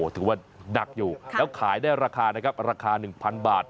ถือว่านักอยู่แล้วขายได้ราคา๑๐๐๐บาท